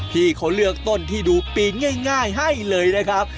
ที่เขาเลือกต้นที่ดูปีง่ายให้เลยนะครับ